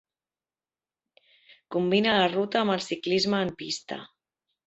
Combina la ruta amb el ciclisme en pista.